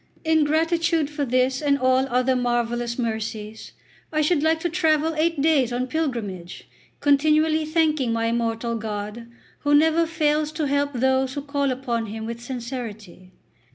In gratitude for this and all other marvellous mercies, I should like to travel eight days on pilgrimage, continually thanking my immortal God, who never fails to help those who call upon Him with sincerity."